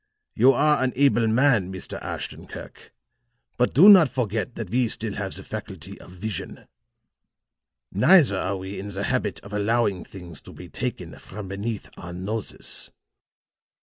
You are an able man, Mr. Ashton Kirk, but do not forget that we still have the faculty of vision. Neither are we in the habit of allowing things to be taken from beneath our noses."